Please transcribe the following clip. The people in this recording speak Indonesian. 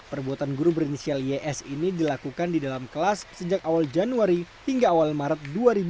perbuatan guru berinisial ys ini dilakukan di dalam kelas sejak awal januari hingga awal maret dua ribu dua puluh